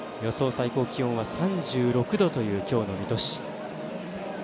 最高気温は３６度という今日の水戸市。